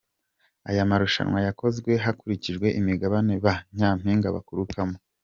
Ayo marushanwa yakozwe hakurikijwe imigabane ba Nyampinga baturukamo.